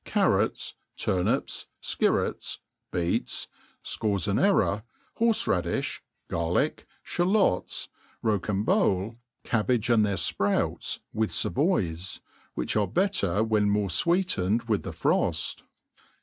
Carrots, turnips, fkirrets, beets, fcorzonera, horfe radifli, garlick, flialots, rocambole, cabbage !and their fpfouts, with favoys, which are better when moreTweetcned with the froft.